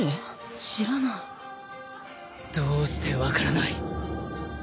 知らないどうして分からない？